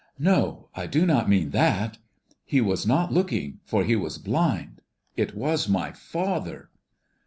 No; I do not mean that; he was not looking, for he was blind. It was my father!"